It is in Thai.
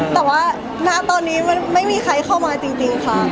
แต่ว่าณตอนนี้มันไม่มีใครเข้ามาจริงค่ะ